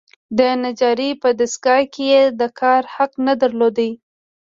د نجارۍ په دستګاه کې یې د کار حق نه درلود.